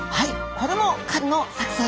これも狩りの作戦。